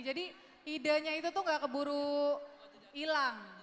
jadi idenya itu tuh gak keburu hilang